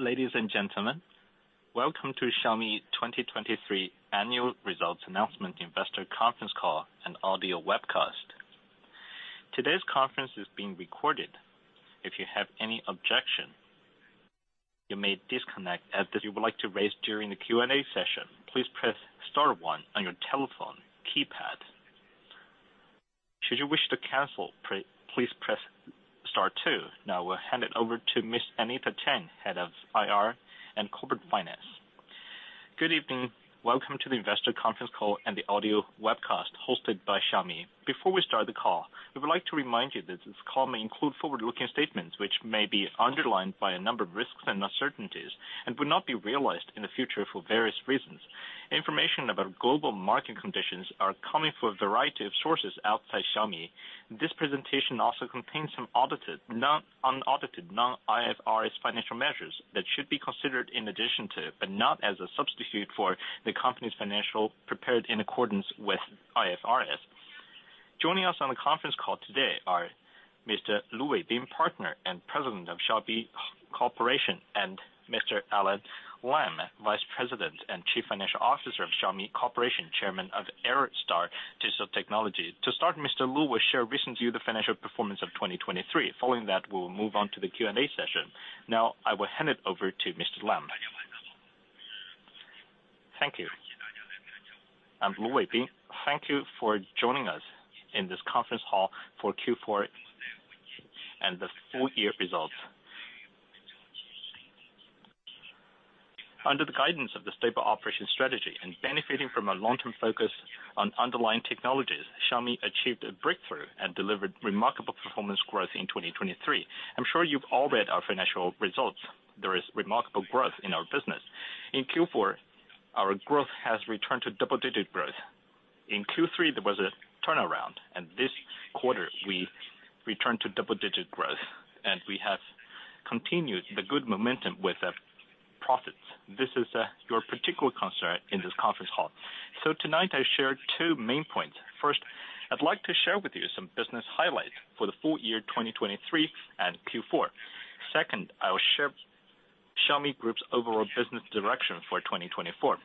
Ladies and gentlemen, welcome to Xiaomi 2023 Annual Results Announcement Investor Conference Call and Audio Webcast. Today's conference is being recorded. If you have any objection, you may disconnect at this time if you would like to raise during the Q&A session, please press Star one on your telephone keypad. Should you wish to cancel, please press Star two. Now we'll hand it over to Ms. Anita Chen, Head of IR and Corporate Finance. Good evening, welcome to the Investor Conference Call and the Audio Webcast hosted by Xiaomi. Before we start the call, we would like to remind you that this call may include forward-looking statements which may be underlined by a number of risks and uncertainties and would not be realized in the future for various reasons. Information about global market conditions are coming from a variety of sources outside Xiaomi. This presentation also contains some audited, non-audited, non-IFRS financial measures that should be considered in addition to, but not as a substitute for, the company's financials prepared in accordance with IFRS. Joining us on the conference call today are Lu Weibing, Partner and President of Xiaomi Corporation, and Alain Lam, Vice President and Chief Financial Officer of Xiaomi Corporation, Chairman of Airstar Digital Technology. To start, Mr. Lu Weibing will share a recent view of the financial performance of 2023. Following that, we will move on to the Q&A session. Now I will hand it over to Mr. Lu Weibing. Thank you. Lu Weibing, thank you for joining us in this conference hall for Q4 and the full-year results. Under the guidance of the stable operations strategy and benefiting from a long-term focus on underlying technologies, Xiaomi achieved a breakthrough and delivered remarkable performance growth in 2023. I'm sure you've all read our financial results. There is remarkable growth in our business. In Q4, our growth has returned to double-digit growth. In Q3, there was a turnaround, and this quarter we returned to double-digit growth, and we have continued the good momentum with profits. This is your particular concern in this conference hall. So tonight I share two main points. First, I'd like to share with you some business highlights for the full year 2023 and Q4. Second, I'll share Xiaomi Group's overall business direction for 2024. First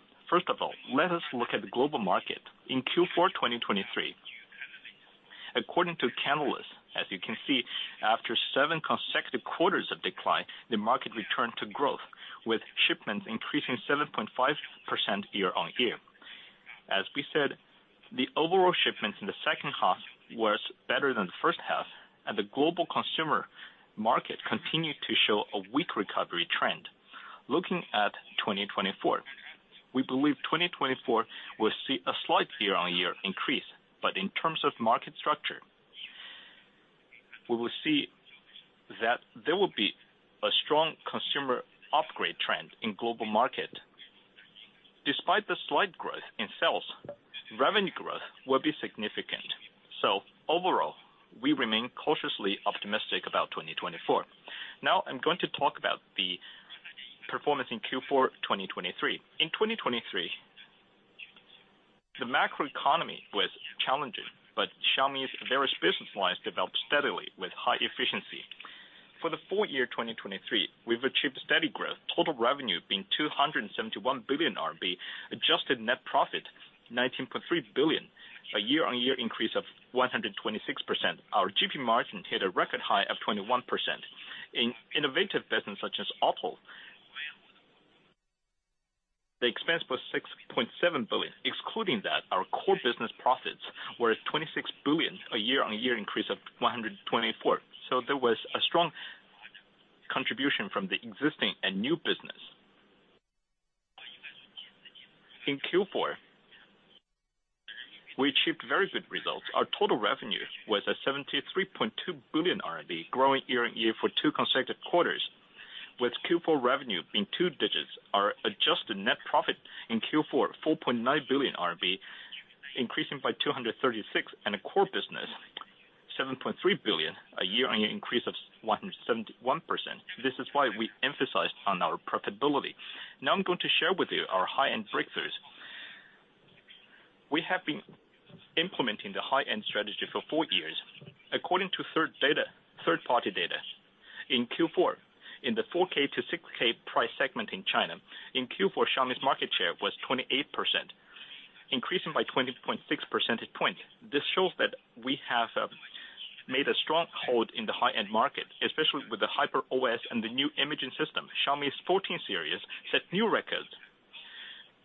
of all, let us look at the global market. In Q4 2023, according to Canalys, as you can see, after seven consecutive quarters of decline, the market returned to growth, with shipments increasing 7.5% year-on-year. As we said, the overall shipments in the H2 were better than the H1, and the global consumer market continued to show a weak recovery trend. Looking at 2024, we believe 2024 will see a slight year-on-year increase, but in terms of market structure, we will see that there will be a strong consumer upgrade trend in the global market. Despite the slight growth in sales, revenue growth will be significant. So overall, we remain cautiously optimistic about 2024. Now I'm going to talk about the performance in Q4 2023. In 2023, the macroeconomy was challenging, but Xiaomi's various business lines developed steadily with high efficiency. For the full year 2023, we've achieved steady growth, total revenue being 271 billion RMB, adjusted net profit 19.3 billion, a year-on-year increase of 126%. Our GP margin hit a record high of 21%. In innovative business such as auto, the expense was 6.7 billion. Excluding that, our core business profits were 26 billion, a year-on-year increase of 124%. So there was a strong contribution from the existing and new business. In Q4, we achieved very good results. Our total revenue was 73.2 billion RMB, growing year-on-year for two consecutive quarters, with Q4 revenue being two-digit. Our adjusted net profit in Q4, 4.9 billion RMB, increasing by 236%, and a core business, 7.3 billion, a year-on-year increase of 171%. This is why we emphasized on our profitability. Now I'm going to share with you our high-end breakthroughs. We have been implementing the high-end strategy for four years. According to third-party data, in Q4, in the 4K-6K price segment in China, in Q4, Xiaomi's market share was 28%, increasing by 20.6 percentage points. This shows that we have made a strong hold in the high-end market, especially with the HyperOS and the new imaging system. Xiaomi 14 Series set new records,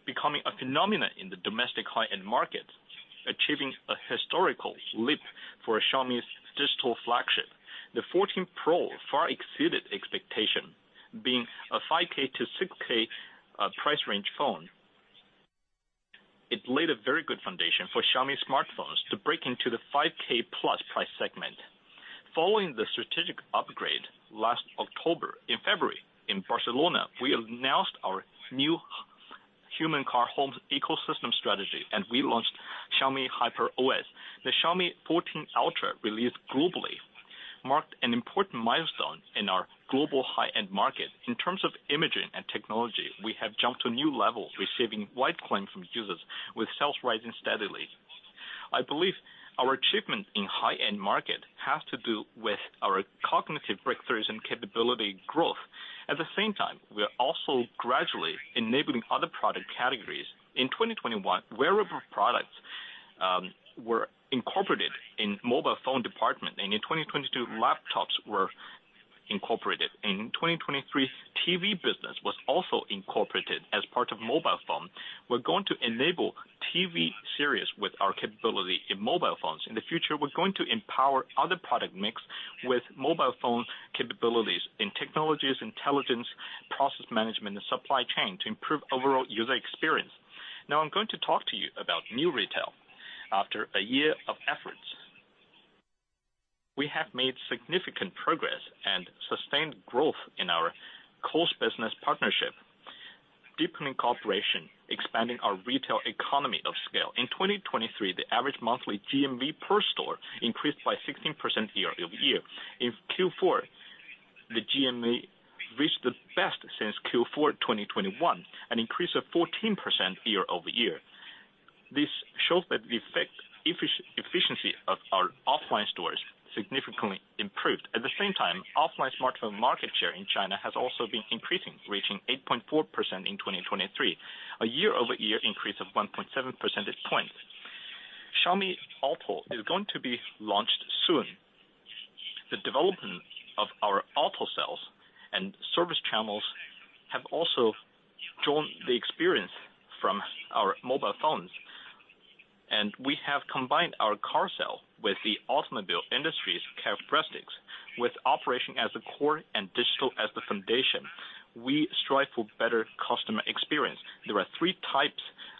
becoming a phenomenon in the domestic high-end markets, achieving a historical leap for Xiaomi's digital flagship. The 14 Pro far exceeded expectations, being a 5K-6K price range phone. It laid a very good foundation for Xiaomi smartphones to break into the 5K+ price segment. Following the strategic upgrade last October, in February, in Barcelona, we announced our new Human x Car x Home ecosystem strategy, and we launched Xiaomi HyperOS. The Xiaomi 14 Ultra released globally, marked an important milestone in our global high-end market. In terms of imaging and technology, we have jumped to a new level, receiving wide acclaim from users with sales rising steadily. I believe our achievement in the high-end market has to do with our cognitive breakthroughs and capability growth. At the same time, we are also gradually enabling other product categories. In 2021, wearable products were incorporated in the mobile phone department, and in 2022, laptops were incorporated. In 2023, the TV business was also incorporated as part of the mobile phone. We're going to enable the TV series with our capability in mobile phones. In the future, we're going to empower other product mix with mobile phone capabilities in technologies, intelligence, process management, and supply chain to improve the overall user experience. Now I'm going to talk to you about new retail. After a year of efforts, we have made significant progress and sustained growth in our close business partnership, deepening cooperation, expanding our retail economy of scale. In 2023, the average monthly GMV per store increased by 16% year-over-year. In Q4, the GMV reached the best since Q4 2021, an increase of 14% year-over-year. This shows that the efficiency of our offline stores significantly improved. At the same time, offline smartphone market share in China has also been increasing, reaching 8.4% in 2023, a year-over-year increase of 1.7 percentage points. Xiaomi Auto is going to be launched soon. The development of our Auto sales and service channels has also drawn the experience from our mobile phones, and we have combined our car sales with the automobile industry's best practices. With operation as the core and digital as the foundation, we strive for a better customer experience. There are three types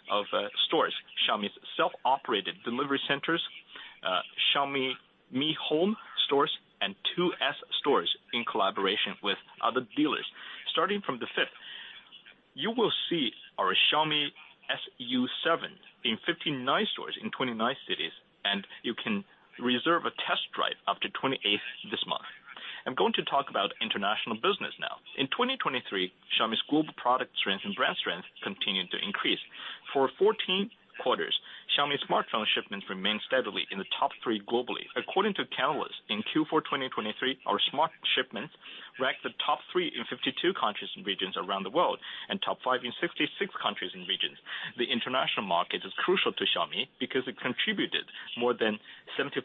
of stores: Xiaomi's self-operated delivery centers, Xiaomi Mi Home stores, and 2S stores in collaboration with other dealers. Starting from the March 5th, you will see our Xiaomi SU7 in 59 stores in 29 cities, and you can reserve a test drive up to the March 28th this month. I'm going to talk about international business now. In 2023, Xiaomi's global product strength and brand strength continued to increase. For 14 quarters, Xiaomi smartphone shipments remained steadily in the top three globally. According to Canalys, in Q4 2023, our smartphone shipments ranked the top three in 52 countries and regions around the world and top five in 66 countries and regions. The international market is crucial to Xiaomi because it contributed more than 75%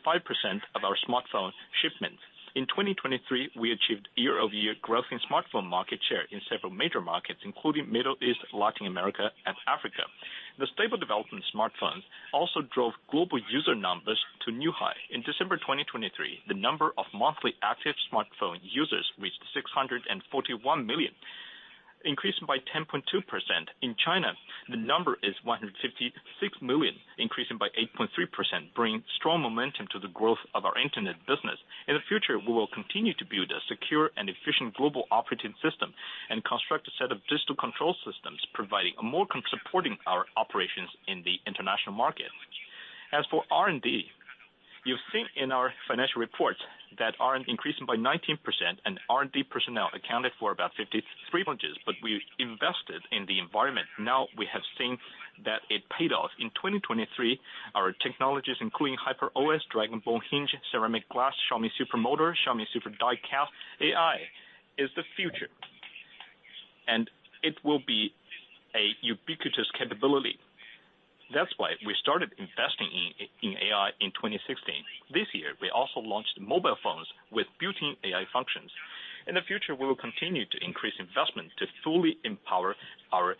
of our smartphone shipments. In 2023, we achieved year-over-year growth in the smartphone market share in several major markets, including Middle East, Latin America, and Africa. The stable development in smartphones also drove global user numbers to new highs. In December 2023, the number of monthly active smartphone users reached 641 million, increasing by 10.2%. In China, the number is 156 million, increasing by 8.3%, bringing strong momentum to the growth of our internet business. In the future, we will continue to build a secure and efficient global operating system and construct a set of digital control systems providing more support to our operations in the international market. As for R&D, you've seen in our financial reports that R&D was increasing by 19%, and R&D personnel accounted for about 53%. But we invested in the environment. Now we have seen that it paid off. In 2023, our technologies, including HyperOS, Dragon Bone Hinge, Ceramic Glass, Xiaomi Super Motor, Xiaomi Super Die-cast, AI is the future, and it will be a ubiquitous capability. That's why we started investing in AI in 2016. This year, we also launched mobile phones with built-in AI functions. In the future, we will continue to increase investment to fully empower our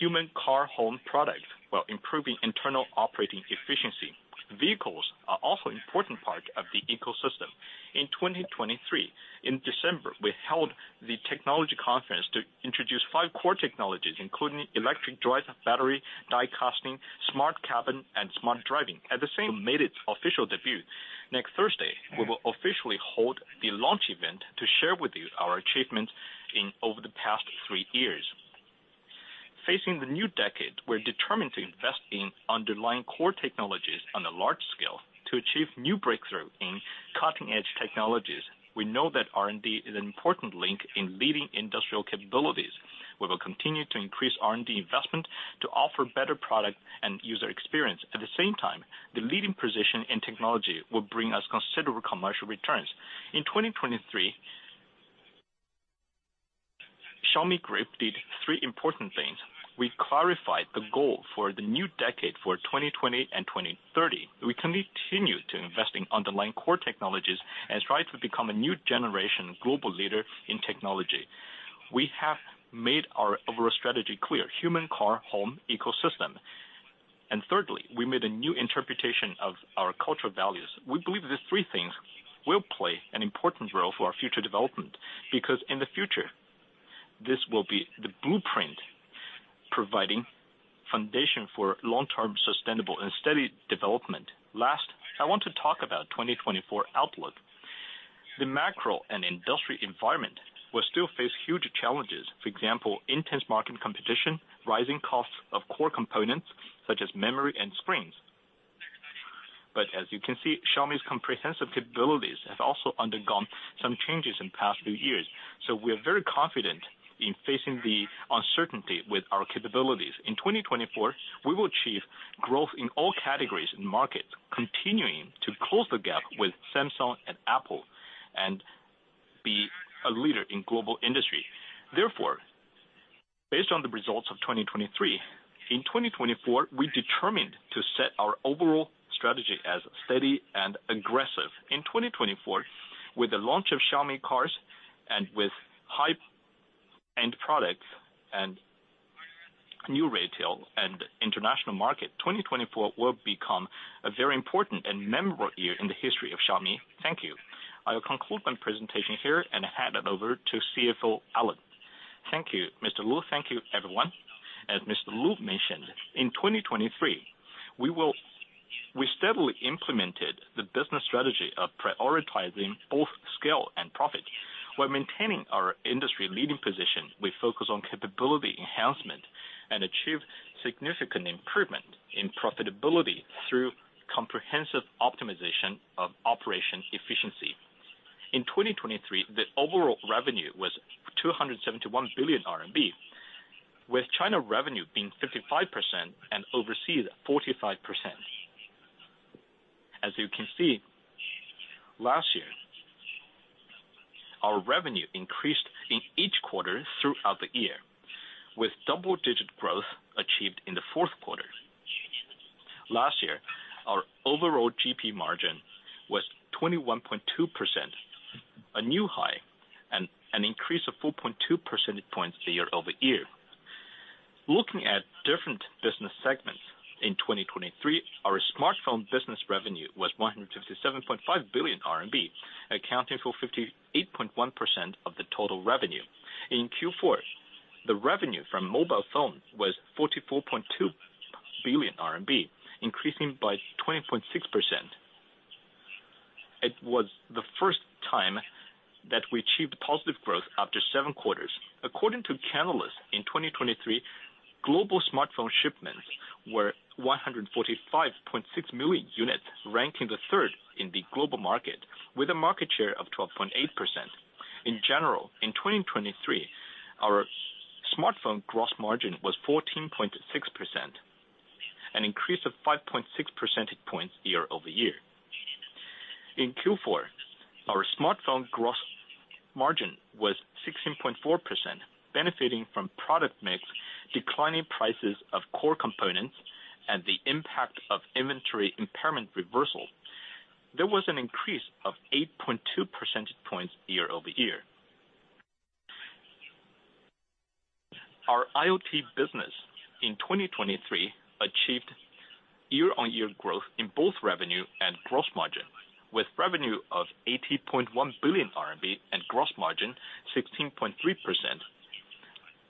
Human x Car x Home products while improving internal operating efficiency. Vehicles are also an important part of the ecosystem. In 2023, in December, we held the technology conference to introduce five core technologies, including electric drive, battery die-casting, smart cabin, and smart driving. At the same time, we made its official debut. Next Thursday, we will officially hold the launch event to share with you our achievements over the past three years. Facing the new decade, we're determined to invest in underlying core technologies on a large scale to achieve new breakthroughs in cutting-edge technologies. We know that R&D is an important link in leading industrial capabilities. We will continue to increase R&D investment to offer better products and user experiences. At the same time, the leading position in technology will bring us considerable commercial returns. In 2023, Xiaomi Group did three important things. We clarified the goal for the new decade for 2020 and 2030. We continue to invest in underlying core technologies and strive to become a new generation global leader in technology. We have made our overall strategy clear: Human x Car x Home ecosystem. And thirdly, we made a new interpretation of our cultural values. We believe these three things will play an important role for our future development because in the future, this will be the blueprint providing a foundation for long-term sustainable and steady development. Last, I want to talk about the 2024 outlook. The macro and industrial environment will still face huge challenges. For example, intense market competition, rising costs of core components such as memory and screens. But as you can see, Xiaomi's comprehensive capabilities have also undergone some changes in the past few years, so we are very confident in facing the uncertainty with our capabilities. In 2024, we will achieve growth in all categories and markets, continuing to close the gap with Samsung and Apple, and be a leader in the global industry. Therefore, based on the results of 2023, in 2024, we determined to set our overall strategy as steady and aggressive. In 2024, with the launch of Xiaomi cars and with high-end products and new retail and international markets, 2024 will become a very important and memorable year in the history of Xiaomi. Thank you. I will conclude my presentation here and hand it over to CFO Alain Lam. Thank you, Mr. Lu Weibing. Thank you, everyone. As Mr. Lu Weibing mentioned, in 2023, we steadily implemented the business strategy of prioritizing both scale and profit. While maintaining our industry-leading position, we focused on capability enhancement and achieved significant improvement in profitability through comprehensive optimization of operation efficiency. In 2023, the overall revenue was 271 billion RMB, with China revenue being 55% and overseas 45%. As you can see, last year, our revenue increased in each quarter throughout the year, with double-digit growth achieved in the Q4. Last year, our overall GP margin was 21.2%, a new high, and an increase of 4.2 percentage points year-over-year. Looking at different business segments, in 2023, our smartphone business revenue was 157.5 billion RMB, accounting for 58.1% of the total revenue. In Q4, the revenue from mobile phones was 44.2 billion RMB, increasing by 20.6%. It was the first time that we achieved positive growth after seven quarters. According to Canalys, in 2023, global smartphone shipments were 145.6 million units, ranking third in the global market, with a market share of 12.8%. In general, in 2023, our smartphone gross margin was 14.6%, an increase of 5.6 percentage points year-over-year. In Q4, our smartphone gross margin was 16.4%, benefiting from product mix, declining prices of core components, and the impact of inventory impairment reversal. There was an increase of 8.2 percentage points year-over-year. Our IoT business, in 2023, achieved year-over-year growth in both revenue and gross margin, with revenue of 80.1 billion RMB and gross margin of 16.3%,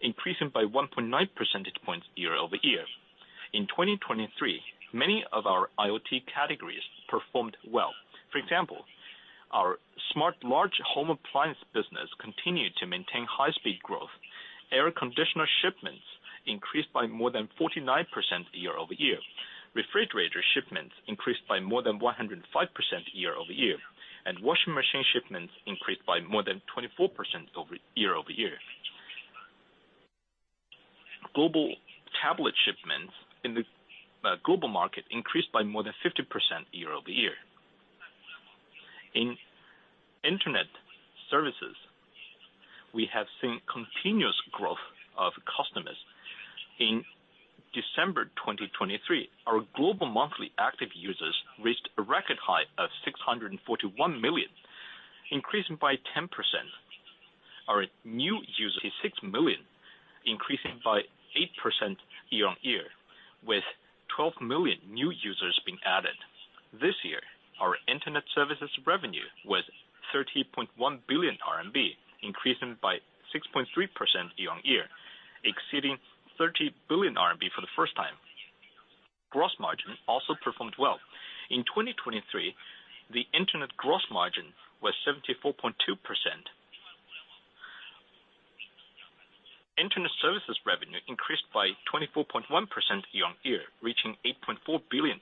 increasing by 1.9 percentage points year-over-year. In 2023, many of our IoT categories performed well. For example, our smart large home appliance business continued to maintain high-speed growth, air conditioner shipments increased by more than 49% year-over-year, refrigerator shipments increased by more than 105% year-over-year, and washing machine shipments increased by more than 24% year-over-year. Global tablet shipments in the global market increased by more than 50% year-over-year. In internet services, we have seen continuous growth of customers. In December 2023, our global monthly active users reached a record high of 641 million, increasing by 10%. Our new users were 26 million, increasing by 8% year-over-year, with 12 million new users being added. This year, our internet services revenue was 30.1 billion RMB, increasing by 6.3% year-over-year, exceeding 30 billion RMB for the first time. Gross margin also performed well. In 2023, the internet gross margin was 74.2%. Internet services revenue increased by 24.1% year-over-year, reaching RMB 8.4 billion.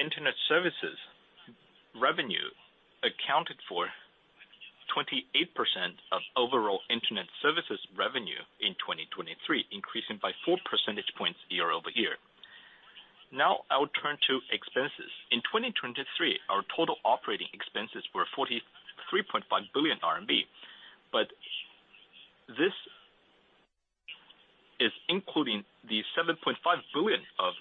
Internet services revenue accounted for 28% of overall internet services revenue in 2023, increasing by 4 percentage points year-over-year. Now I will turn to expenses. In 2023, our total operating expenses were 43.5 billion RMB, but this is including the 7.5 billion of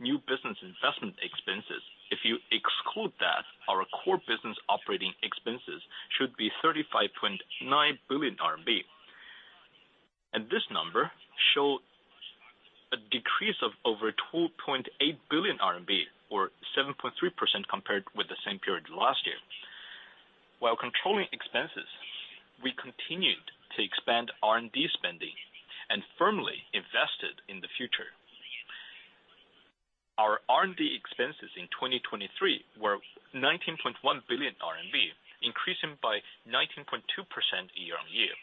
new business investment expenses. If you exclude that, our core business operating expenses should be 35.9 billion RMB. This number shows a decrease of over 12.8 billion RMB, or 7.3% compared with the same period last year. While controlling expenses, we continued to expand R&D spending and firmly invested in the future. Our R&D expenses in 2023 were 19.1 billion RMB, increasing by 19.2% year-over-year.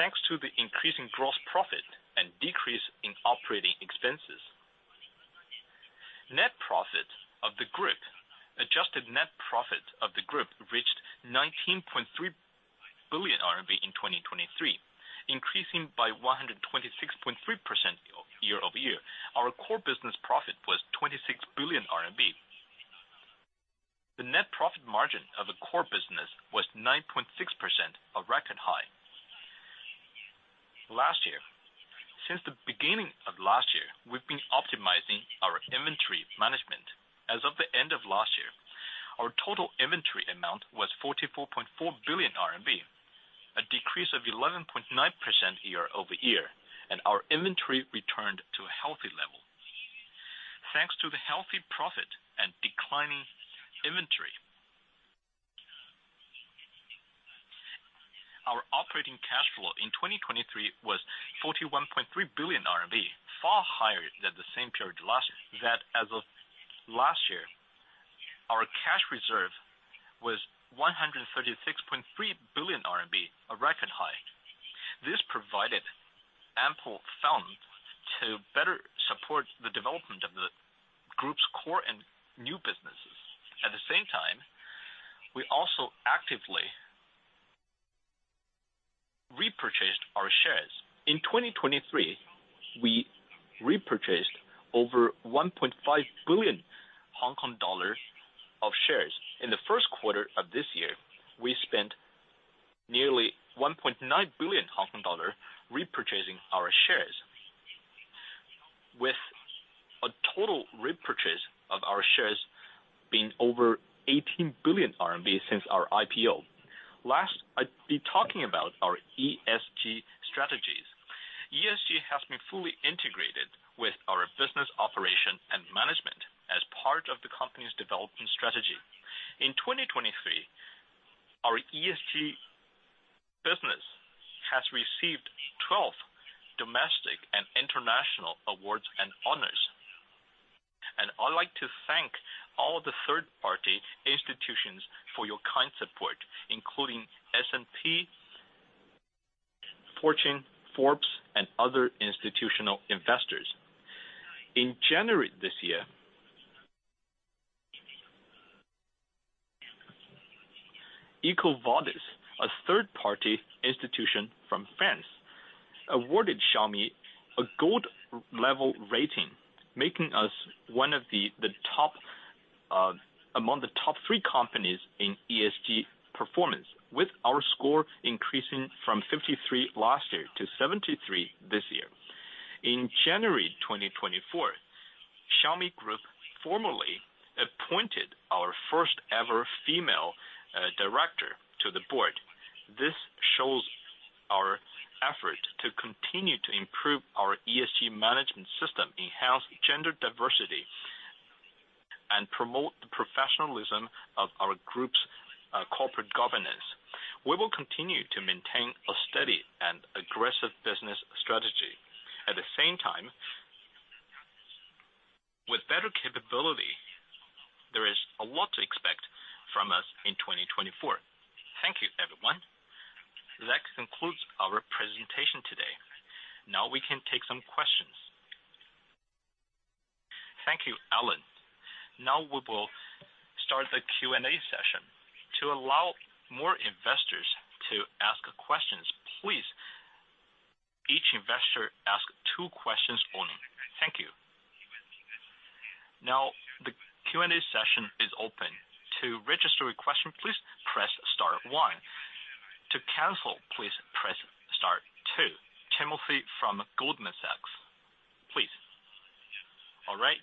Thanks to the increasing gross profit and decrease in operating expenses, net profit of the group, adjusted net profit of the group, reached 19.3 billion RMB in 2023, increasing by 126.3% year-over-year. Our core business profit was 26 billion RMB. The net profit margin of a core business was 9.6%, a record high. Last year, since the beginning of last year, we've been optimizing our inventory management. As of the end of last year, our total inventory amount was 44.4 billion RMB, a decrease of 11.9% year-over-year, and our inventory returned to a healthy level. Thanks to the healthy profit and declining inventory, our operating cash flow in 2023 was 41.3 billion RMB, far higher than the same period last year. That, as of last year, our cash reserve was 136.3 billion RMB, a record high. This provided ample funds to better support the development of the group's core and new businesses. At the same time, we also actively repurchased our shares. In 2023, we repurchased over 1.5 billion Hong Kong dollars of shares. In the Q1 of this year, we spent nearly 1.9 billion Hong Kong dollar repurchasing our shares, with a total repurchase of our shares being over 18 billion RMB since our IPO. Last, I'd be talking about our ESG strategies. ESG has been fully integrated with our business operation and management as part of the company's development strategy. In 2023, our ESG business has received 12 domestic and international awards and honors. I'd like to thank all the third-party institutions for your kind support, including S&P, Fortune, Forbes, and other institutional investors. In January this year, EcoVadis, a third-party institution from France, awarded Xiaomi a gold-level rating, making us one of the top among the top three companies in ESG performance, with our score increasing from 53 last year to 73 this year. In January 2024, Xiaomi Group formally appointed our first-ever female director to the board. This shows our effort to continue to improve our ESG management system, enhance gender diversity, and promote the professionalism of our group's corporate governance. We will continue to maintain a steady and aggressive business strategy. At the same time, with better capability, there is a lot to expect from us in 2024. Thank you, everyone. That concludes our presentation today. Now we can take some questions. Thank you, Alain Lam. Now we will start the Q&A session. To allow more investors to ask questions, please, each investor ask two questions only. Thank you. Now the Q&A session is open. To register a question, please press star one. To cancel, please press star two. Timothy Zhao from Goldman Sachs, please. All right.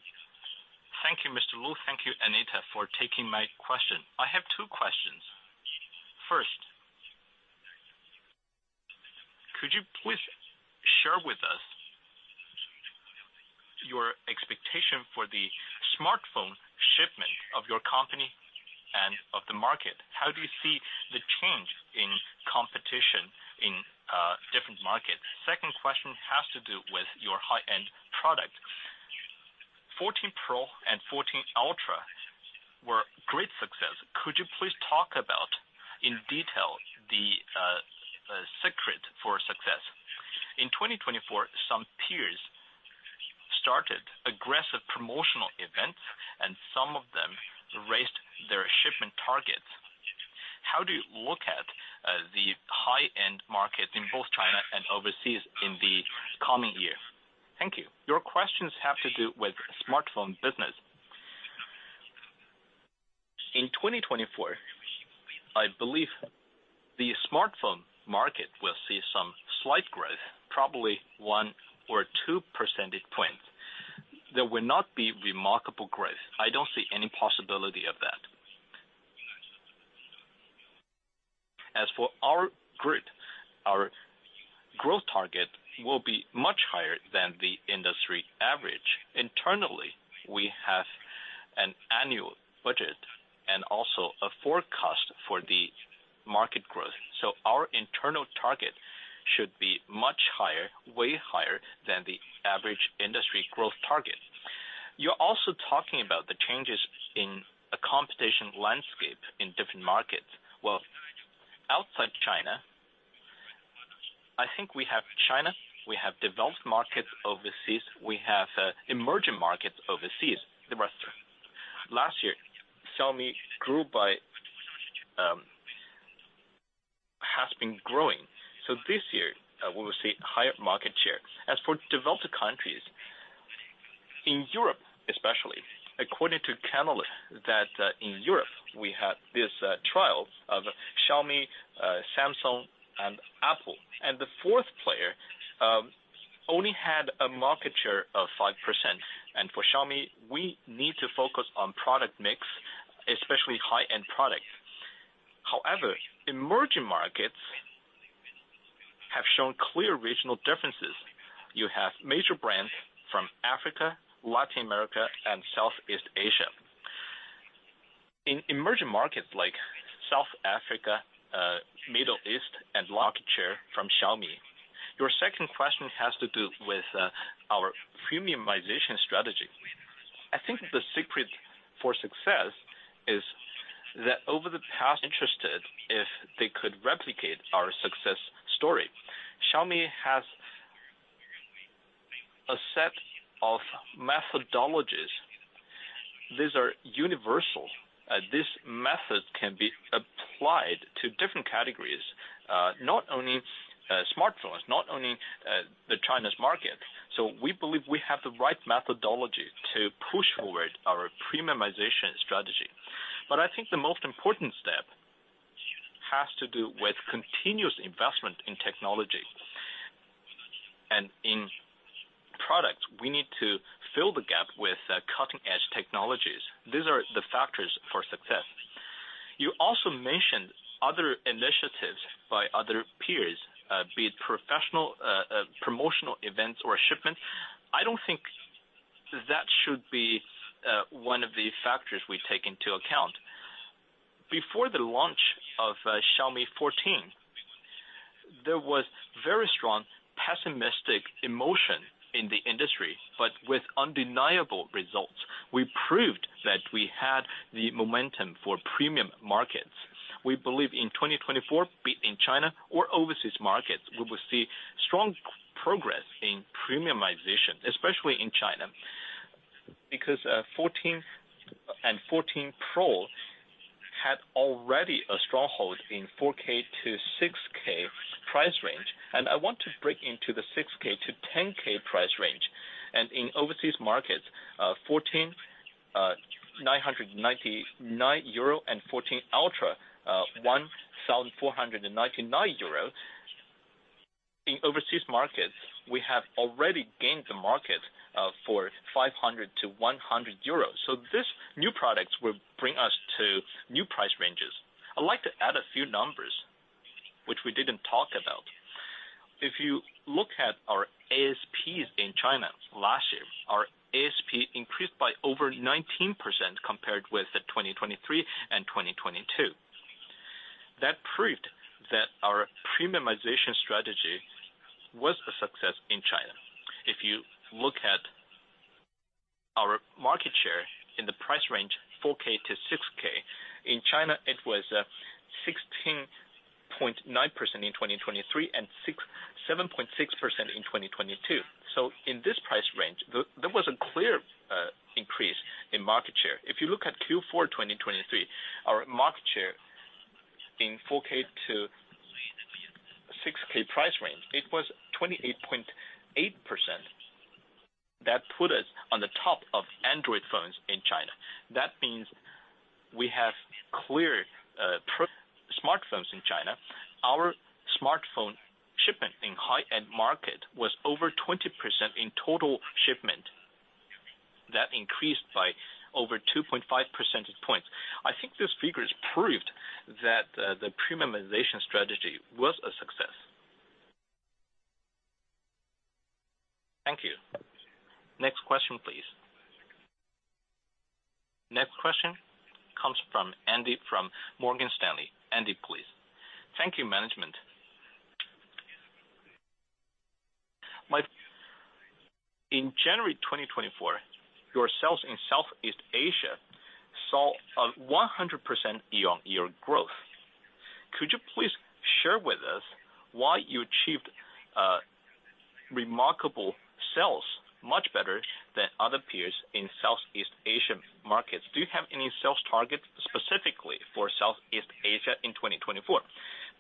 Thank you, Mr. Lu Weibing. Thank you, Anita Chen, for taking my question. I have two questions. First, could you please share with us your expectation for the smartphone shipment of your company and of the market? How do you see the change in competition in different markets? Second question has to do with your high-end product. 14 Pro and 14 Ultra were great success. Could you please talk about in detail the secret for success? In 2024, some peers started aggressive promotional events, and some of them raised their shipment targets. How do you look at the high-end markets in both China and overseas in the coming year? Thank you. Your questions have to do with smartphone business. In 2024, I believe the smartphone market will see some slight growth, probably 1 percentage points or 2 percentage points. There will not be remarkable growth. I don't see any possibility of that. As for our group, our growth target will be much higher than the industry average. Internally, we have an annual budget and also a forecast for the market growth, so our internal target should be much higher, way higher, than the average industry growth target. You're also talking about the changes in a competition landscape in different markets. Well, outside China, I think we have China, we have developed markets overseas, we have emerging markets overseas, the rest. Last year, Xiaomi has been growing, so this year we will see higher market share. As for developed countries, in Europe especially, according to Canalys, that in Europe we had this trio of Xiaomi, Samsung, and Apple, and the fourth player only had a market share of 5%. For Xiaomi, we need to focus on product mix, especially high-end product. However, emerging markets have shown clear regional differences. You have major brands from Africa, Latin America, and Southeast Asia. In emerging markets like South Africa, Middle East, and market share from Xiaomi. Your second question has to do with our premiumization strategy. I think the secret for success is that over the past, interested if they could replicate our success story. Xiaomi has a set of methodologies. These are universal. These methods can be applied to different categories, not only smartphones, not only China's market. So we believe we have the right methodology to push forward our premiumization strategy. I think the most important step has to do with continuous investment in technology. In products, we need to fill the gap with cutting-edge technologies. These are the factors for success. You also mentioned other initiatives by other peers, be it professional promotional events or shipments. I don't think that should be one of the factors we take into account. Before the launch of Xiaomi 14, there was very strong pessimistic emotion in the industry, but with undeniable results, we proved that we had the momentum for premium markets. We believe in 2024, be it in China or overseas markets, we will see strong progress in premiumization, especially in China, because 14 and 14 Pro had already a stronghold in 4K- 6K price range. I want to break into the 6K- 10K price range. In overseas markets, 14 EUR 999, and 14 Ultra 1,499 euro. In overseas markets, we have already gained the market for 500- 1,000 euros. So these new products will bring us to new price ranges. I'd like to add a few numbers, which we didn't talk about. If you look at our ASPs in China last year, our ASP increased by over 19% compared with 2023 and 2022. That proved that our premiumization strategy was a success in China. If you look at our market share in the price range 4K- 6K, in China it was 16.9% in 2023 and 7.6% in 2022. So in this price range, there was a clear increase in market share. If you look at Q4 2023, our market share in 4K- 6K price range, it was 28.8%. That put us on the top of Android phones in China. That means we have clear smartphones in China. Our smartphone shipment in high-end market was over 20% in total shipment. That increased by over 2.5 percentage points. I think this figure has proved that the premiumization strategy was a success. Thank you. Next question, please. Next question comes from Andy Meng from Morgan Stanley. Andy Meng, please. Thank you, management. In January 2024, your sales in Southeast Asia saw a 100% year-on-year growth. Could you please share with us why you achieved remarkable sales much better than other peers in Southeast Asia markets? Do you have any sales targets specifically for Southeast Asia in 2024?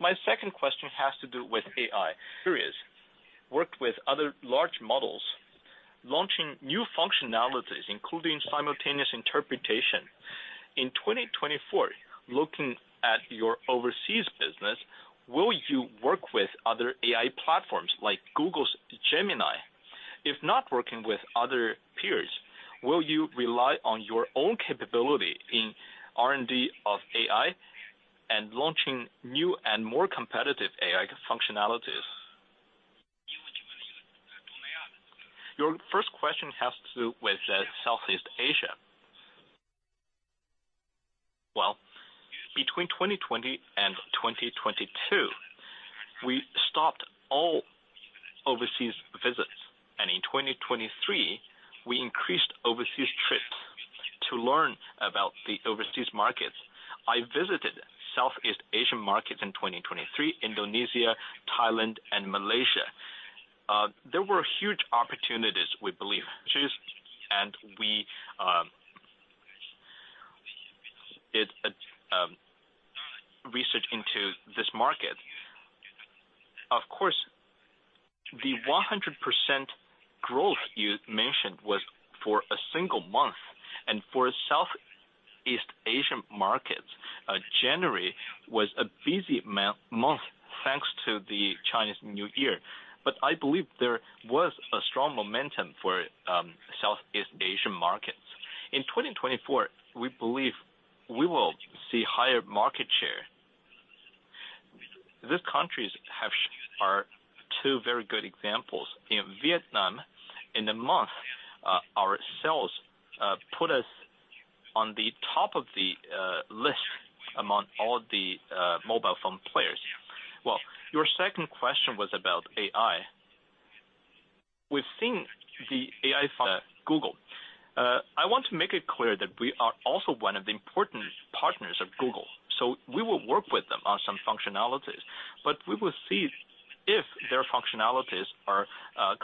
My second question has to do with AI series, worked with other large models, launching new functionalities, including simultaneous interpretation. In 2024, looking at your overseas business, will you work with other AI platforms like Google's Gemini? If not working with other peers, will you rely on your own capability in R&D of AI and launching new and more competitive AI functionalities? Your first question has to do with Southeast Asia. Well, between 2020 and 2022, we stopped all overseas visits, and in 2023, we increased overseas trips to learn about the overseas markets. I visited Southeast Asian markets in 2023, Indonesia, Thailand, and Malaysia. There were huge opportunities, we believe. Industries, and we did research into this market. Of course, the 100% growth you mentioned was for a single month, and for Southeast Asian markets, January was a busy month thanks to the Chinese New Year. But I believe there was a strong momentum for Southeast Asian markets. In 2024, we believe we will see higher market share. These countries have two very good examples. In Vietnam, in a month, our sales put us on the top of the list among all the mobile phone players. Well, your second question was about AI. We've seen the AI Google. I want to make it clear that we are also one of the important partners of Google, so we will work with them on some functionalities, but we will see if their functionalities are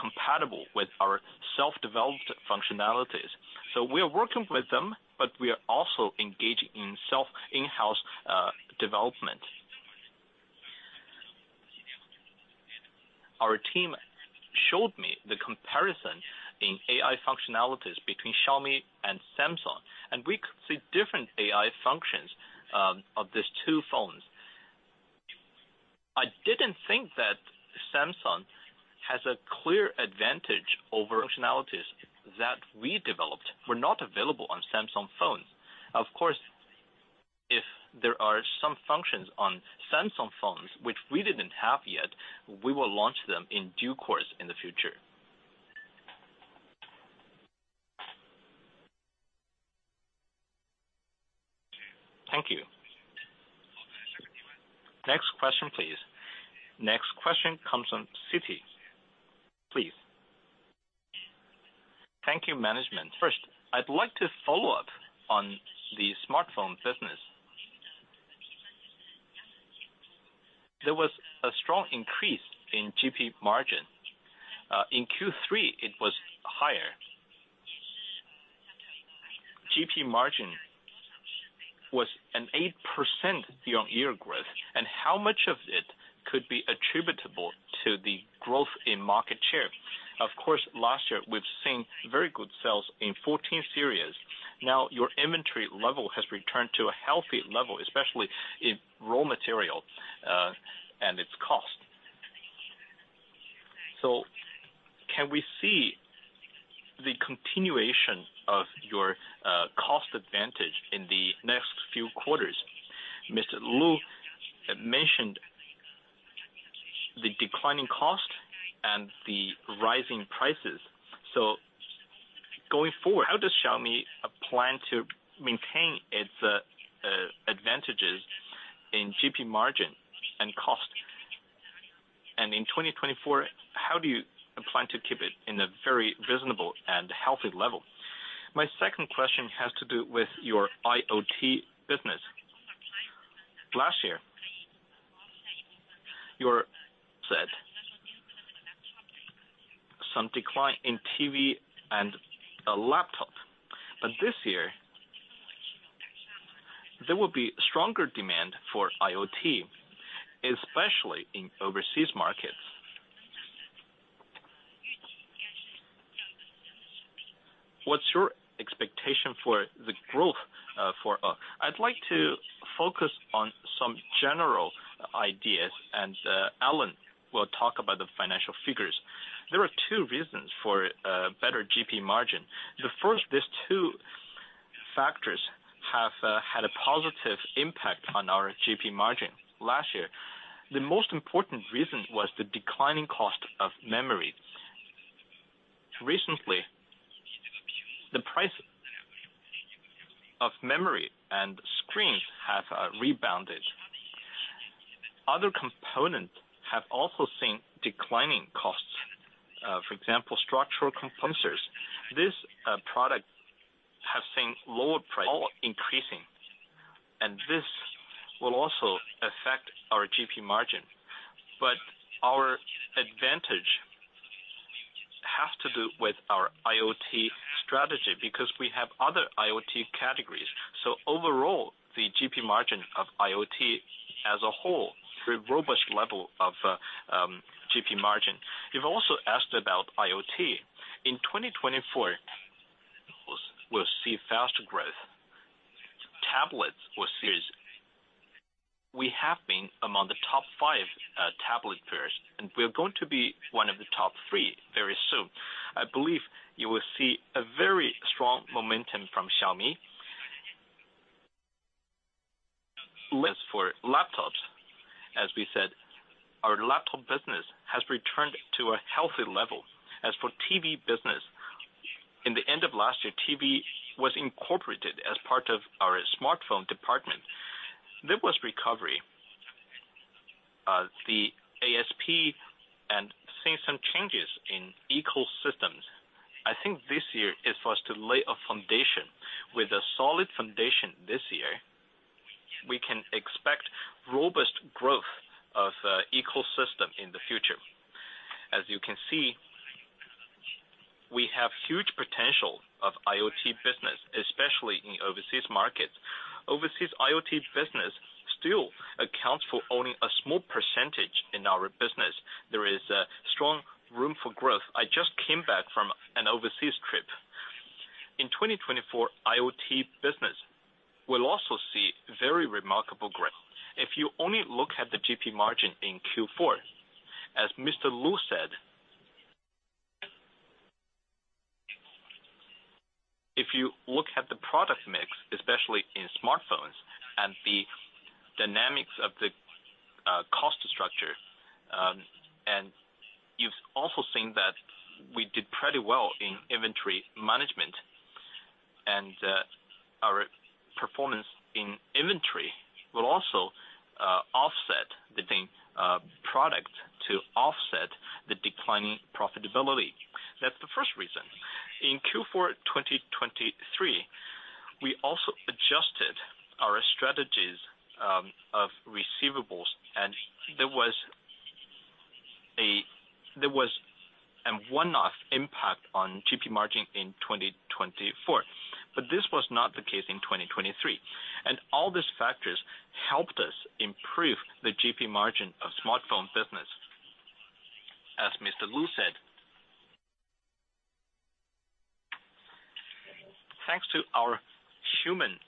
compatible with our self-developed functionalities. So we are working with them, but we are also engaging in self-in-house development. Our team showed me the comparison in AI functionalities between Xiaomi and Samsung, and we could see different AI functions of these two phones. I didn't think that Samsung has a clear advantage. Our functionalities that we developed were not available on Samsung phones. Of course, if there are some functions on Samsung phones which we didn't have yet, we will launch them in due course in the future. Thank you. Next question, please. Next question comes from Siti Pan, please. Thank you, management. First, I'd like to follow up on the smartphone business. There was a strong increase in GP margin. In Q3, it was higher. GP margin was an 8% year-on-year growth, and how much of it could be attributable to the growth in market share? Of course, last year we've seen very good sales in 14 Series. Now, your inventory level has returned to a healthy level, especially in raw material and its cost. So can we see the continuation of your cost advantage in the next few quarters? Mr. Lu Weibing mentioned the declining cost and the rising prices. So going forward, how does Xiaomi plan to maintain its advantages in GP margin and cost? And in 2024, how do you plan to keep it in a very reasonable and healthy level? My second question has to do with your IoT business. Last year, you said some decline in TV and laptop, but this year there will be stronger demand for IoT, especially in overseas markets. What's your expectation for the growth for? I'd like to focus on some general ideas, and Alain Lam will talk about the financial figures. There are two reasons for better GP margin. The first, these two factors have had a positive impact on our GP margin last year. The most important reason was the declining cost of memory. Recently, the price of memory and screens have rebounded. Other components have also seen declining costs. For example, structural components sensors. These products have seen lower prices, all increasing, and this will also affect our GP margin. But our advantage has to do with our IoT strategy because we have other IoT categories. So overall, the GP margin of IoT as a whole. Very robust level of GP margin. You've also asked about IoT. In 2024, we'll see faster growth. Tablets will series, we have been among the top five tablet peers, and we're going to be one of the top three very soon. I believe you will see a very strong momentum from Xiaomi. As for laptops, as we said, our laptop business has returned to a healthy level. As for TV business, in the end of last year, TV was incorporated as part of our smartphone department. There was recovery. The ASP and seeing some changes in ecosystems. I think this year is for us to lay a foundation. With a solid foundation this year, we can expect robust growth of ecosystem in the future. As you can see, we have huge potential of IoT business, especially in overseas markets. Overseas IoT business still accounts for owning a small percentage in our business. There is strong room for growth. I just came back from an overseas trip. In 2024, IoT business will also see very remarkable growth. If you only look at the GP margin in Q4, as Mr. Lu Weibing said, if you look at the product mix, especially in smartphones and the dynamics of the cost structure, and you've also seen that we did pretty well in inventory management, and our performance in inventory will also offset the same product to offset the declining profitability. That's the first reason. In Q4 2023, we also adjusted our strategies of receivables, and there was a one-off impact on GP margin in 2024, but this was not the case in 2023. All these factors helped us improve the GP margin of smartphone business. As Mr. Lu Weibing said, thanks to our Human x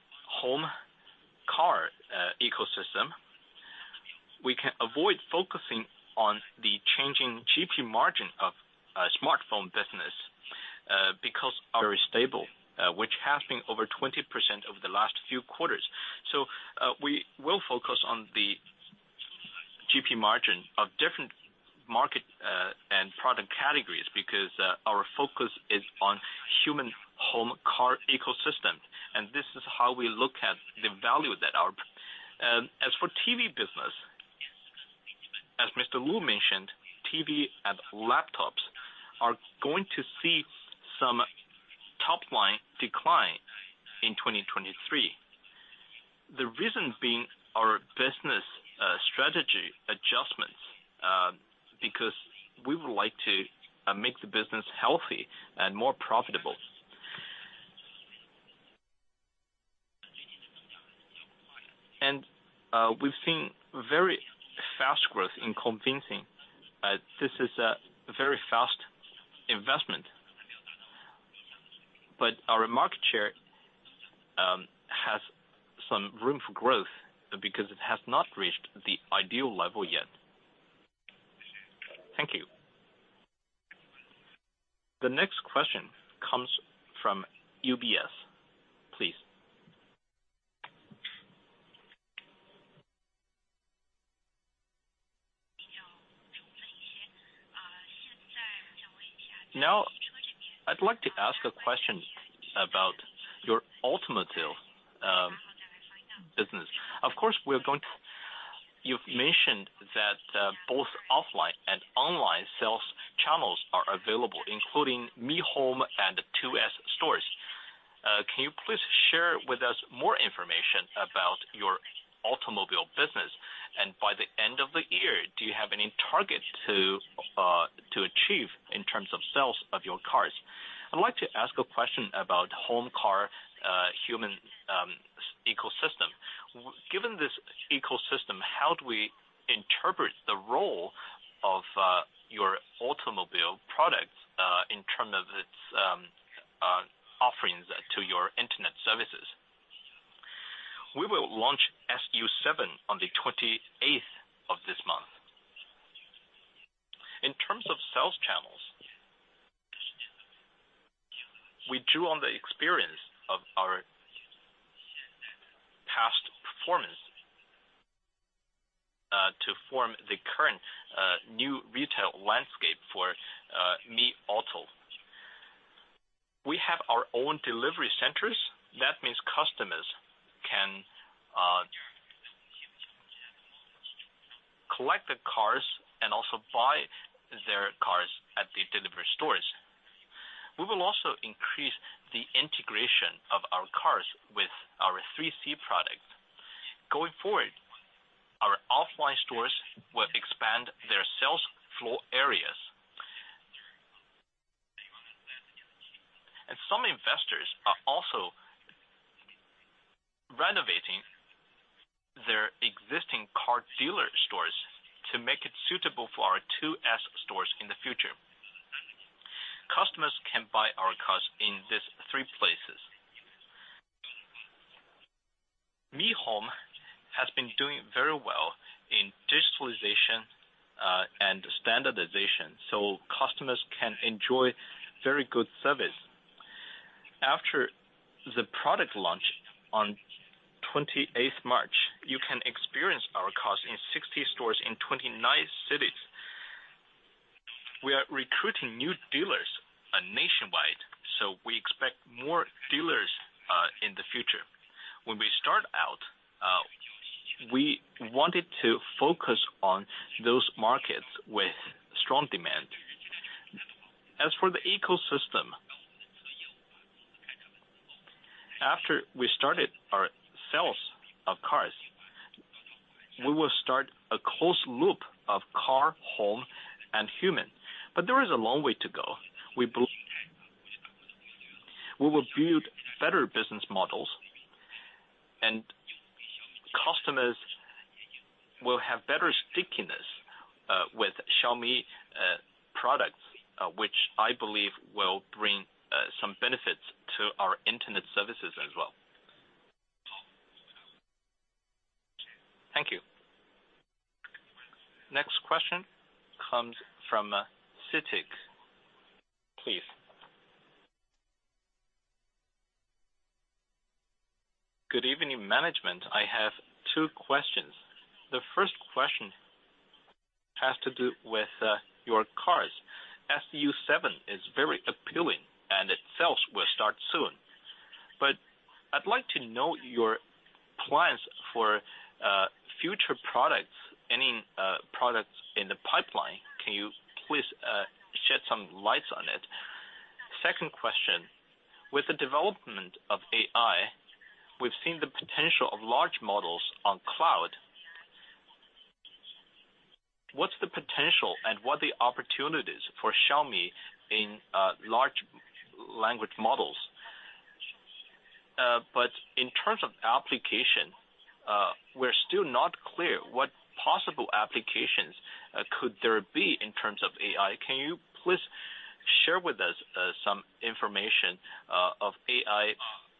Home x Car ecosystem, we can avoid focusing on the changing GP margin of smartphone business because very stable, which has been over 20% over the last few quarters. We will focus on the GP margin of different market and product categories because our focus is on Human x Home x Car ecosystem, and this is how we look at the value that our. As for TV business, as Mr. Lu Weibing mentioned, TV and laptops are going to see some top-line decline in 2023. The reason being our business strategy adjustments because we would like to make the business healthy and more profitable. We've seen very fast growth in Indonesia. This is a very fast investment, but our market share has some room for growth because it has not reached the ideal level yet. Thank you. The next question comes from UBS, please. Now, I'd like to ask a question about your automotive business. Of course, we are going to. You've mentioned that both offline and online sales channels are available, including Mi Home and 2S stores. Can you please share with us more information about your automobile business, and by the end of the year, do you have any target to achieve in terms of sales of your cars? I'd like to ask a question about Human x Car x Home ecosystem. Given this ecosystem, how do we interpret the role of your automobile products in terms of its offerings to your internet services? We will launch SU7 on the March 28th of this month. In terms of sales channels, we drew on the experience of our past performance to form the current new retail landscape for Mi Auto. We have our own delivery centers. That means customers can collect the cars and also buy their cars at the delivery stores. We will also increase the integration of our cars with our 3C products. Going forward, our offline stores will expand their sales floor areas. Some investors are also renovating their existing car dealer stores to make it suitable for our 2S stores in the future. Customers can buy our cars in these three places. Mi Home has been doing very well in digitalization and standardization, so customers can enjoy very good service. After the product launch on March 28th, you can experience our cars in 60 stores in 29 cities. We are recruiting new dealers nationwide, so we expect more dealers in the future. When we start out, we wanted to focus on those markets with strong demand. As for the ecosystem, after we started our sales of cars, we will start a closed loop of Car x Home x Human, but there is a long way to go. We will build better business models, and customers will have better stickiness with Xiaomi products, which I believe will bring some benefits to our internet services as well. Thank you. Next question comes from Citi, please. Good evening, management. I have two questions. The first question has to do with your cars. SU7 is very appealing, and its sales will start soon. But I'd like to know your plans for future products, any products in the pipeline. Can you please shed some light on it? Second question, with the development of AI, we've seen the potential of large models on cloud. What's the potential and what are the opportunities for Xiaomi in large language models? But in terms of application, we're still not clear what possible applications could there be in terms of AI. Can you please share with us some information of AI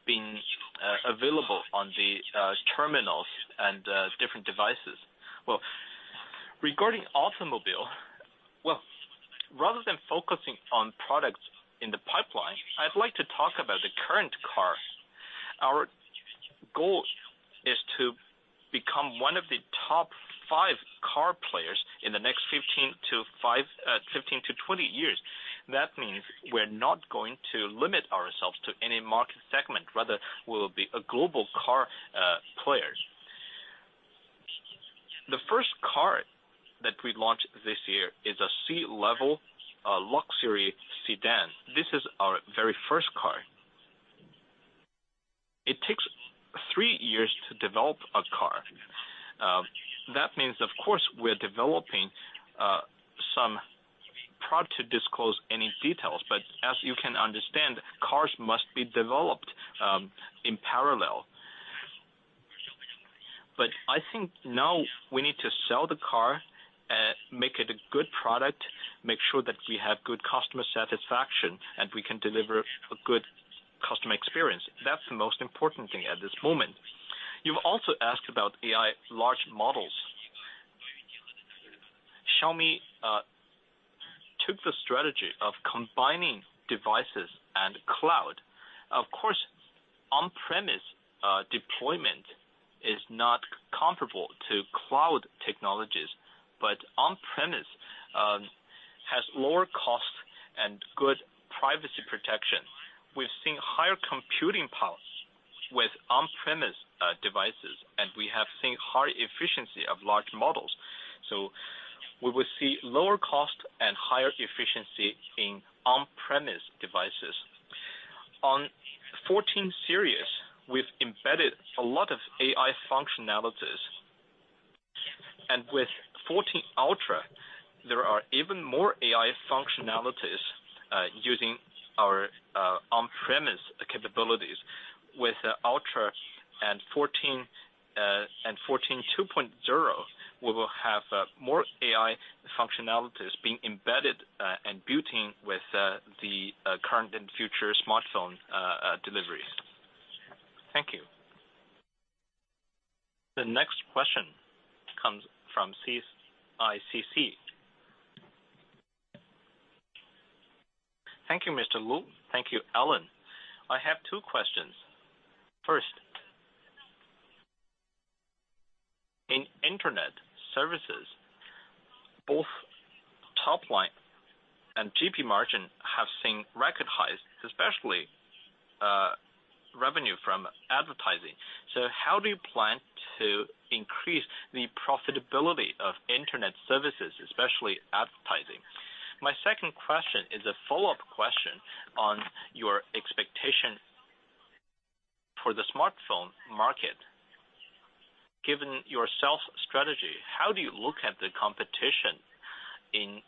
being available on the terminals and different devices? Well, regarding automobile, well, rather than focusing on products in the pipeline, I'd like to talk about the current car. Our goal is to become one of the top five car players in the next 15 years-20 years. That means we're not going to limit ourselves to any market segment. Rather, we will be a global car player. The first car that we launch this year is a C-class luxury sedan. This is our very first car. It takes three years to develop a car. That means, of course, we're developing some product. To disclose any details, but as you can understand, cars must be developed in parallel. I think now we need to sell the car, make it a good product, make sure that we have good customer satisfaction, and we can deliver a good customer experience. That's the most important thing at this moment. You've also asked about AI large models. Xiaomi took the strategy of combining devices and cloud. Of course, on-premise deployment is not comparable to cloud technologies, but on-premise has lower costs and good privacy protection. We've seen higher computing power with on-premise devices, and we have seen higher efficiency of large models. We will see lower costs and higher efficiency in on-premise devices. On 14 Series, we've embedded a lot of AI functionalities. With 14 Ultra, there are even more AI functionalities using our on-premise capabilities. With Ultra and 14 2.0, we will have more AI functionalities being embedded and built-in with the current and future smartphone deliveries. Thank you. The next question comes from CICC. Thank you, Mr. Lu Weibing. Thank you, Alain Lam. I have two questions. First, in internet services, both top-line and GP margin have seen record highs, especially revenue from advertising. So how do you plan to increase the profitability of internet services, especially advertising? My second question is a follow-up question on your expectation for the smartphone market. Given your sales strategy, how do you look at the competition in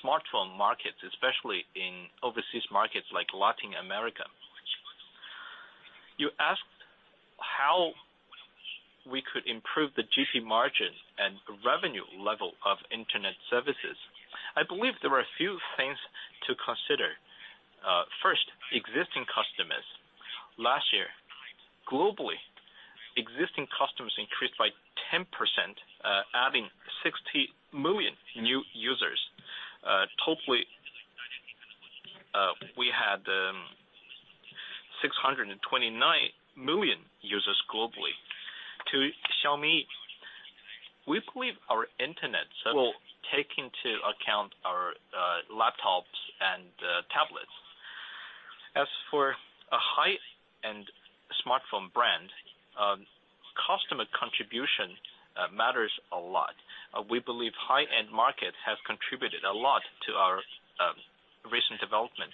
smartphone markets, especially in overseas markets like Latin America? You asked how we could improve the GP margin and revenue level of internet services. I believe there are a few things to consider. First, existing customers. Last year, globally, existing customers increased by 10%, adding 60 million new users. Totally, we had 629 million users globally. To Xiaomi, we believe our internet will take into account our laptops and tablets. As for a high-end smartphone brand, customer contribution matters a lot. We believe high-end markets have contributed a lot to our recent development.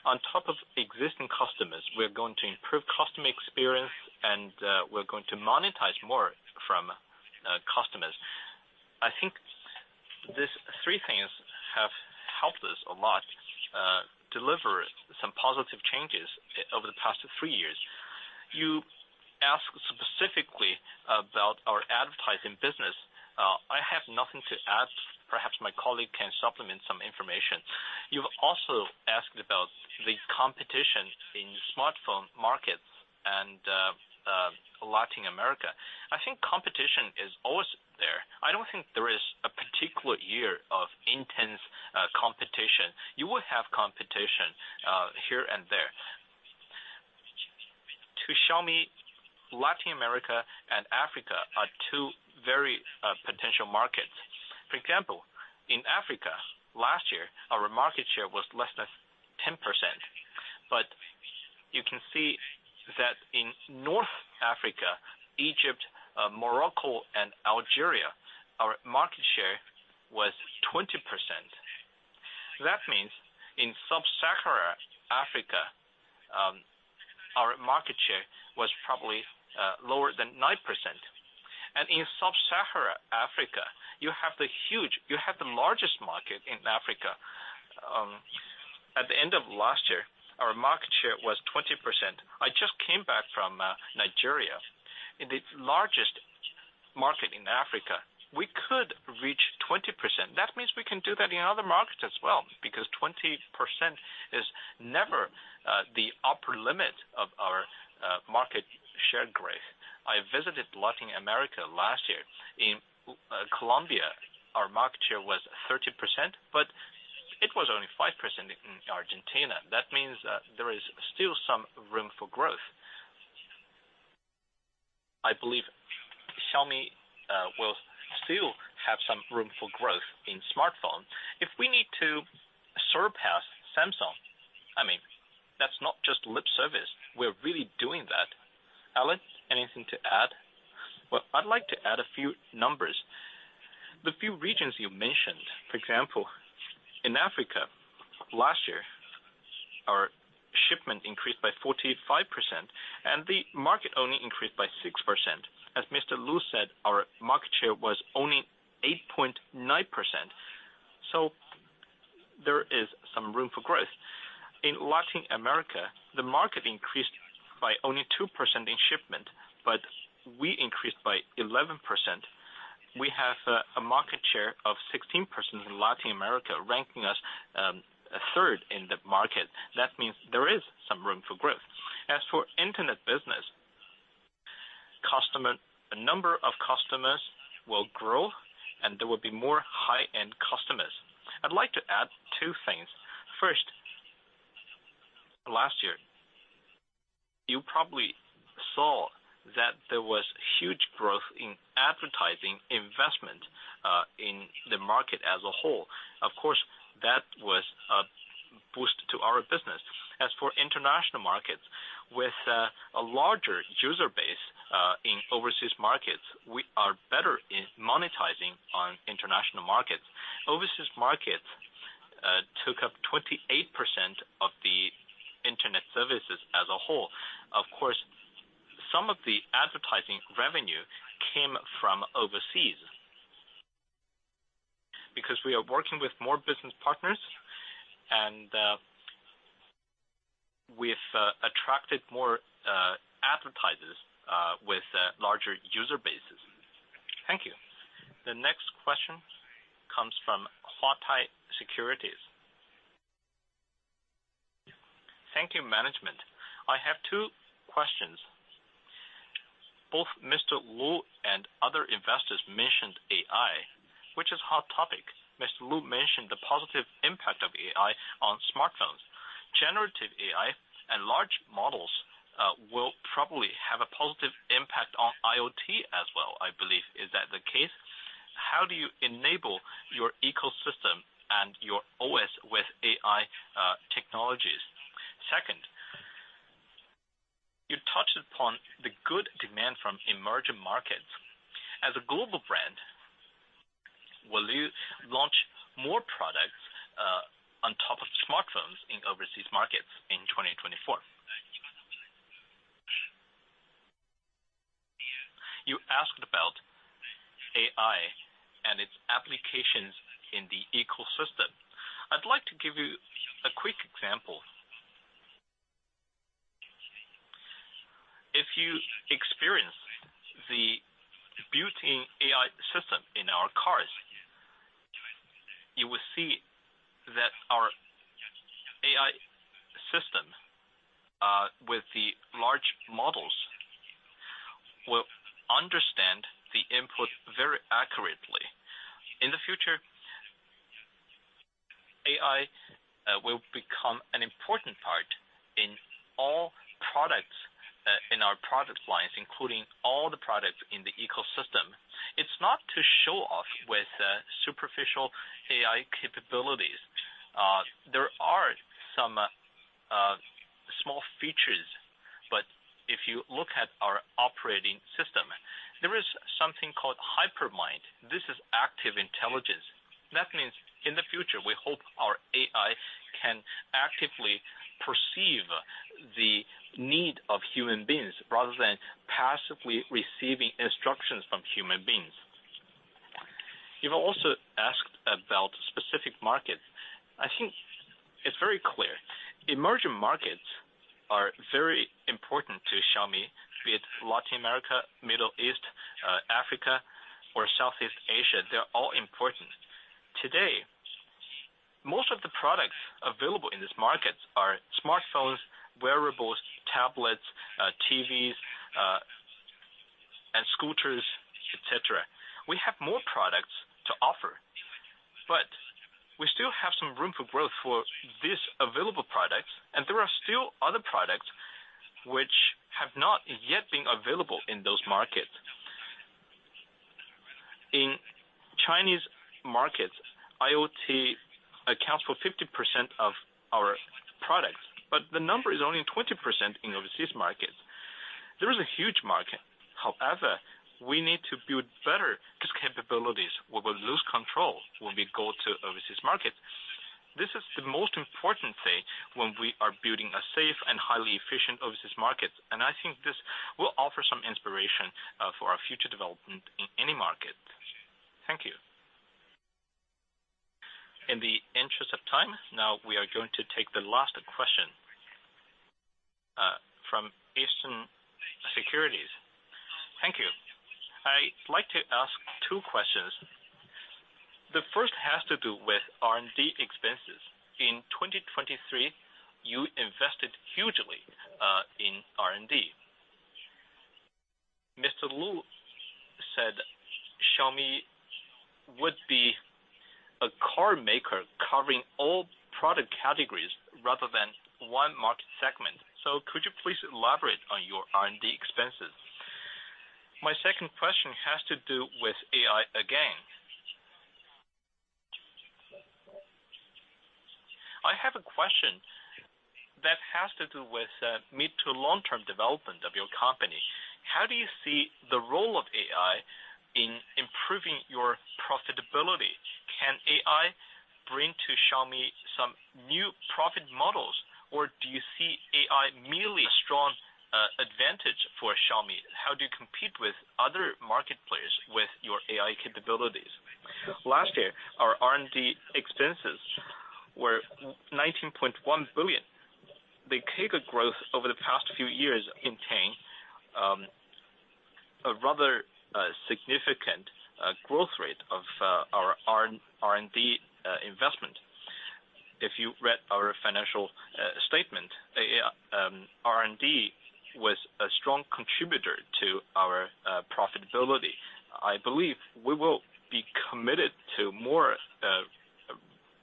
On top of existing customers, we're going to improve customer experience, and we're going to monetize more from customers. I think these three things have helped us a lot deliver some positive changes over the past three years. You asked specifically about our advertising business. I have nothing to add. Perhaps my colleague can supplement some information. You've also asked about the competition in smartphone markets and Latin America. I think competition is always there. I don't think there is a particular year of intense competition. You will have competition here and there. To Xiaomi, Latin America and Africa are two very potential markets. For example, in Africa, last year, our market share was less than 10%. But you can see that in North Africa, Egypt, Morocco, and Algeria, our market share was 20%. That means in sub-Sahara Africa, our market share was probably lower than 9%. And in sub-Sahara Africa, you have the largest market in Africa. At the end of last year, our market share was 20%. I just came back from Nigeria. In the largest market in Africa, we could reach 20%. That means we can do that in other markets as well because 20% is never the upper limit of our market share growth. I visited Latin America last year. In Colombia, our market share was 30%, but it was only 5% in Argentina. That means there is still some room for growth. I believe Xiaomi will still have some room for growth in smartphone. If we need to surpass Samsung, I mean, that's not just lip service. We're really doing that. Alain Lam, anything to add? Well, I'd like to add a few numbers. The few regions you mentioned, for example, in Africa, last year, our shipment increased by 45%, and the market only increased by 6%. As Mr. Lu Weibing said, our market share was only 8.9%. So there is some room for growth. In Latin America, the market increased by only 2% in shipment, but we increased by 11%. We have a market share of 16% in Latin America, ranking us third in the market. That means there is some room for growth. As for internet business, a number of customers will grow, and there will be more high-end customers. I'd like to add two things. First, last year, you probably saw that there was huge growth in advertising investment in the market as a whole. Of course, that was a boost to our business. As for international markets, with a larger user base in overseas markets, we are better at monetizing on international markets. Overseas markets took up 28% of the internet services as a whole. Of course, some of the advertising revenue came from overseas because we are working with more business partners, and we've attracted more advertisers with larger user bases. Thank you. The next question comes from Huatai Securities. Thank you, management. I have two questions. Both Mr. Lu Weibing and other investors mentioned AI, which is a hot topic. Mr. Lu Weibing mentioned the positive impact of AI on smartphones. Generative AI and large models will probably have a positive impact on IoT as well, I believe, is that the case? How do you enable your ecosystem and your OS with AI technologies? Second, you touched upon the good demand from emerging markets. As a global brand, will you launch more products on top of smartphones in overseas markets in 2024? You asked about AI and its applications in the ecosystem. I'd like to give you a quick example. If you experience the built-in AI system in our cars, you will see that our AI system with the large models will understand the input very accurately. In the future, AI will become an important part in all products in our product lines, including all the products in the ecosystem. It's not to show off with superficial AI capabilities. There are some small features, but if you look at our operating system, there is something called HyperMind. This is active intelligence. That means in the future, we hope our AI can actively perceive the need of human beings rather than passively receiving instructions from human beings. You've also asked about specific markets. I think it's very clear. Emerging markets are very important to Xiaomi, be it Latin America, Middle East, Africa, or Southeast Asia. They're all important. Today, most of the products available in these markets are smartphones, wearables, tablets, TVs, and scooters, etc. We have more products to offer, but we still have some room for growth for these available products, and there are still other products which have not yet been available in those markets. In Chinese markets, IoT accounts for 50% of our products, but the number is only 20% in overseas markets. There is a huge market. However, we need to build better capabilities. We will lose control when we go to overseas markets. This is the most important thing when we are building a safe and highly efficient overseas market, and I think this will offer some inspiration for our future development in any market. Thank you. In the interest of time, now we are going to take the last question from CLSA Securities. Thank you. I'd like to ask two questions. The first has to do with R&D expenses. In 2023, you invested hugely in R&D. Mr. Lu Weibing said Xiaomi would be a car maker covering all product categories rather than one market segment. So could you please elaborate on your R&D expenses? My second question has to do with AI again. I have a question that has to do with mid- to long-term development of your company. How do you see the role of AI in improving your profitability? Can AI bring to Xiaomi some new profit models, or do you see AI merely a strong advantage for Xiaomi? How do you compete with other market players with your AI capabilities? Last year, our R&D expenses were 19.1 billion. The CAGR growth over the past few years maintained a rather significant growth rate of our R&D investment. If you read our financial statement, R&D was a strong contributor to our profitability. I believe we will be committed to more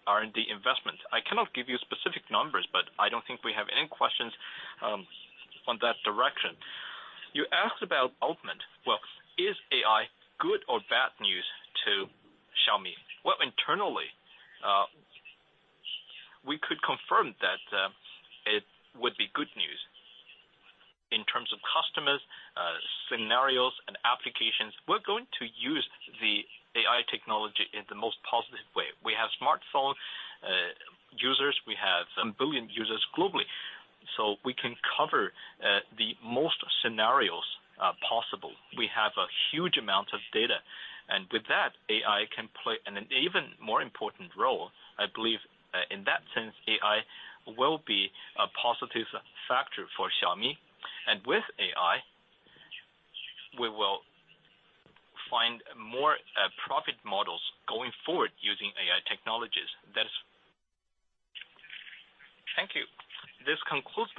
R&D investment. I cannot give you specific numbers, but I don't think we have any questions on that direction. You asked about development. Well, is AI good or bad news to Xiaomi? Well, internally, we could confirm that it would be good news in terms of customers, scenarios, and applications. We're going to use the AI technology in the most positive way. We have smartphone users. We have 1 billion users globally, so we can cover the most scenarios possible. We have a huge amount of data, and with that, AI can play an even more important role. I believe in that sense, AI will be a positive factor for Xiaomi, and with AI, we will find more profit models going forward using AI technologies. That is, thank you. This concludes.